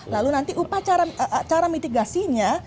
lalu nanti cara mitigasinya